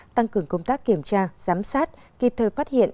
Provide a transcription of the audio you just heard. tăng cường công tác kiểm tra giám sát kịp thời phát hiện